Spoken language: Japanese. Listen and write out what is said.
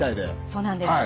そうなんです。